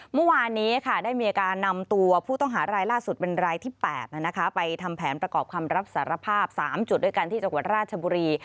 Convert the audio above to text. เมื่อวานนี้ค่ะได้มีการนำตัวผู้ต้องหารายล่าสุดเป็นรายที่๘ไปทำแผนประกอบคำรับสารภาพ๓จุดด้วยกันที่จังหวัดราชบุรี